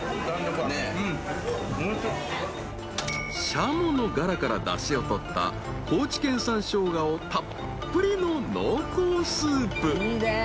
［シャモのがらからだしを取った高知県産ショウガをたっぷりの濃厚スープ］